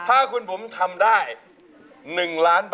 อายุ๒๔ปีวันนี้บุ๋มนะคะ